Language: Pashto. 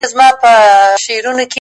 یه د زمان د ورکو سمڅو زنداني ه!!